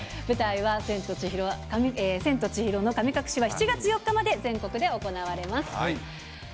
舞台は、千と千尋の神隠しは、７月４日まで全国で行われます。